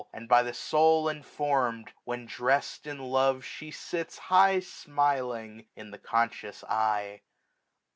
And by the soul informed, when drest in love She sits high smiling in the conscious eye.